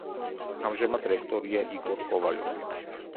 ამჟამად რექტორია იგორ კოვალიოვი.